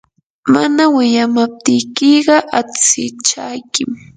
mana wiyamaptiykiqa astishaykim.